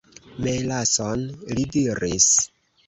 "Melason," li diris.